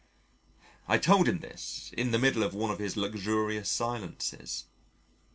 I told him this in the middle of one of his luxurious silences.